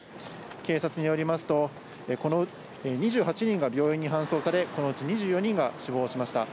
警察によりますと、２８人が病院に搬送され、このうち２４人が死亡しました。